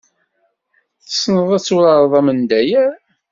Tessneḍ ad turareḍ amendayer?